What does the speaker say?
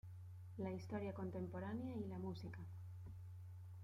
La historia contemporánea y la Música.